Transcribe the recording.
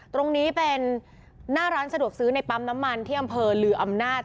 ตรงนี้เป็นหน้าร้านสะดวกซื้อในปั๊มน้ำมันที่อำเภอลืออำนาจ